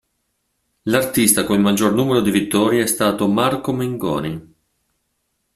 L'artista con il maggior numero di vittorie è stato Marco Mengoni.